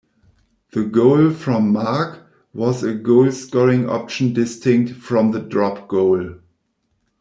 The goal from mark was a goal-scoring option distinct from the drop goal.